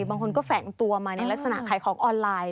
บางคนก็แฝงตัวมาในลักษณะขายของออนไลน์